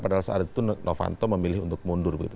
pada saat itu novanto memilih untuk mundur begitu